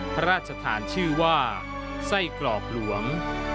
ภรรศธานชื่อว่าไส้กรอกหลวง